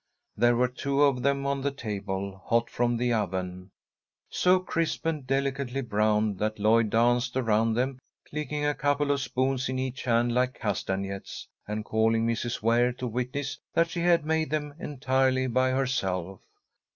There were two of them on the table, hot from the oven, so crisp and delicately browned, that Lloyd danced around them, clicking a couple of spoons in each hand like castanets, and calling Mrs. Ware to witness that she had made them entirely by herself.